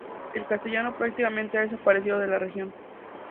El castellano prácticamente ha desaparecido de la región.